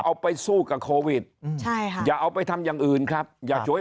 เอาไปสู้กับโควิดใช่ค่ะอย่าเอาไปทำอย่างอื่นครับอย่าฉวย